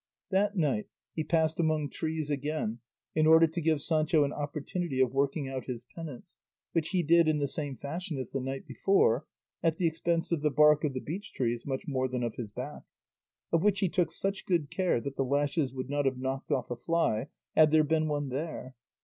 That night he passed among trees again in order to give Sancho an opportunity of working out his penance, which he did in the same fashion as the night before, at the expense of the bark of the beech trees much more than of his back, of which he took such good care that the lashes would not have knocked off a fly had there been one there.